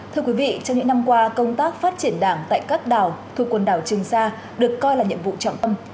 thưa quý vị trong những năm qua công tác phát triển đảng tại các đảo thuộc quần đảo trường sa được coi là nhiệm vụ trọng tâm